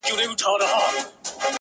د ښایستونو خدایه سر ټیټول تاته نه وه